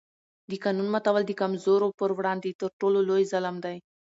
د قانون ماتول د کمزورو پر وړاندې تر ټولو لوی ظلم دی